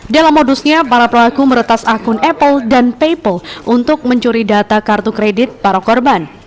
dalam modusnya para pelaku meretas akun apple dan paypal untuk mencuri data kartu kredit para korban